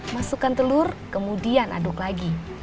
masukkan telur kemudian aduk lagi